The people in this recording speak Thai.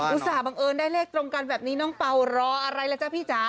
ส่าหบังเอิญได้เลขตรงกันแบบนี้น้องเป่ารออะไรล่ะจ๊ะพี่จ๋า